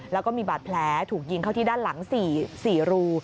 แล้วก็มีบาดแผลถูกยิงเข้าที่ด้านหลัง๔รู